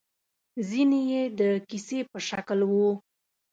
ځينې يې د کيسې په شکل وو.